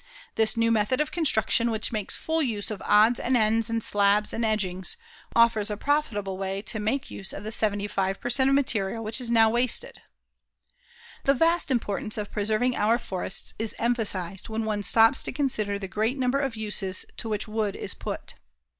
This new method of construction which makes full use of odds and ends and slabs and edgings offers a profitable way to make use of the 75 per cent. of material which now is wasted. The vast importance of preserving our forests is emphasized when one stops to consider the great number of uses to which wood is put.